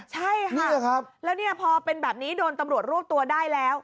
ใช่ค่ะแล้วเนี่ยพอเป็นแบบนี้โดนตำรวจรวบตัวได้แล้ว